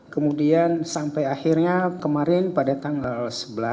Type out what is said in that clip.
kemudian sampai akhirnya kemarin pada tanggal sebelas